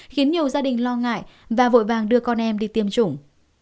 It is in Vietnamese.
khiến nhiều gia đình lo ngại và vội vàng đưa con em đi tiêm chủng